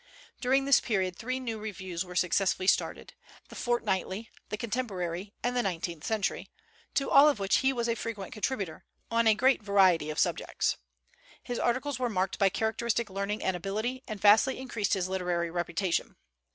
During this period three new Reviews were successfuly started, the "Fortnightly," the "Contemporary," and the "Nineteenth Century," to all of which he was a frequent contributor, on a great variety of subjects. His articles were marked by characteristic learning and ability, and vastly increased his literary reputation.